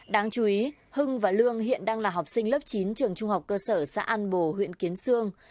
đáng chú ý hưng và lương hiện đang là học sinh lớp chín trường trung học cơ sở xã an bồ huyện kiến sương